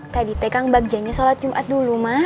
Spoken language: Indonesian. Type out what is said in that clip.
tadi tekang bagiannya shalat jumat dulu mak